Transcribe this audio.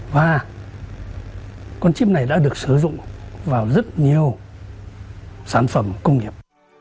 và con chip này đã được sử dụng vào rất nhiều sản phẩm công nghiệp